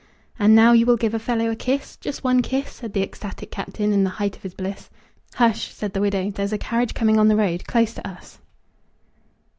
"And now you will give a fellow a kiss, just one kiss," said the ecstatic Captain, in the height of his bliss. "Hush!" said the widow, "there's a carriage coming on the road close to us."